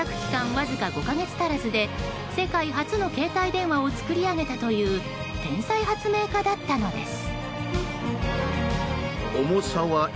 わずか５か月足らずで世界初の携帯電話を作り上げたという天才発明家だったのです。